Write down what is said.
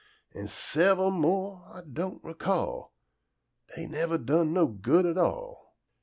An' sev'al mo' Ah don't recall, Dey nevah done no good at all.